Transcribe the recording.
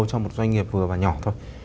cho một doanh nghiệp vừa và nhỏ thôi